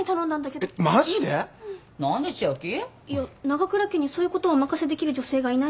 長倉家にそういうことをお任せできる女性がいないので。